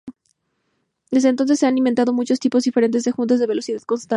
Desde entonces se han inventado muchos tipos diferentes de juntas de velocidad constante.